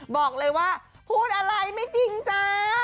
บอกเลยว่าพูดอะไรไม่จริงจ้า